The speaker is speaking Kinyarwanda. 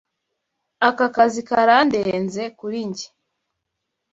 Aka kazi karandenze kuri njye.